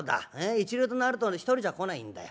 一流となると一人じゃ来ないんだよ。